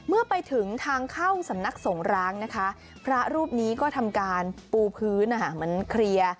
เมื่อไปถึงทางเข้าสำนักสงร้างนะคะพระรูปนี้ก็ทำการปูพื้นเหมือนเคลียร์